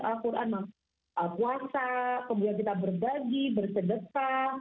al quran puasa kemudian kita berbagi bersedekah